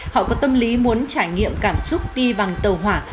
họ có tâm lý muốn trải nghiệm cảm xúc đi bằng tàu hỏa